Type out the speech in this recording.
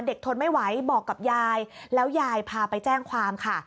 ทนไม่ไหวบอกกับยายแล้วยายพาไปแจ้งความค่ะ